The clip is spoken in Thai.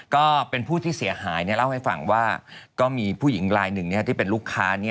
ก็เป็นผู้ที่เสียหายเล่าให้ฟังว่าก็มีผู้หญิงลายหนึ่งที่เป็นลูกค้า